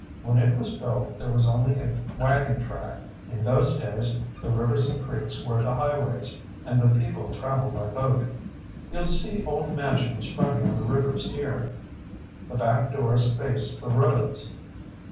When it was built, there was only a wagon track. In those days, the rivers and creeks were the highways, and the people traveled by boat. You'll see old mansions fronting on the rivers here. The back doors face the roads.